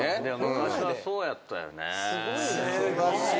昔はそうやったよね。